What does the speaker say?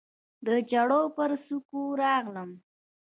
د چړو پر څوکو راغلم